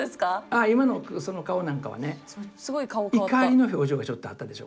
あ今のその顔なんかはね怒りの表情がちょっとあったでしょ。